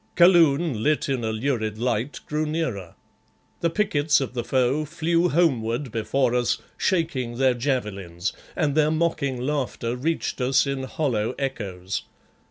Kaloon, lit in a lurid light, grew nearer. The pickets of the foe flew homeward before us, shaking their javelins, and their mocking laughter reached us in hollow echoes.